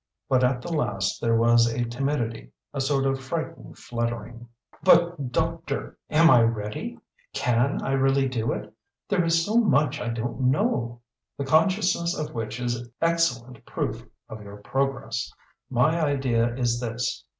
But at the last there was a timidity, a sort of frightened fluttering. "But doctor am I ready? Can I really do it? There is so much I don't know!" "The consciousness of which is excellent proof of your progress. My idea is this.